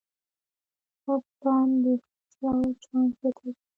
ښه پلان د خرڅلاو چانس زیاتوي.